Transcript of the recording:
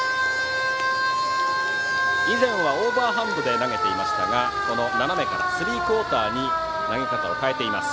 以前はオーバーハンドで投げていましたが斜めからスリークオーターに投げ方を変えています。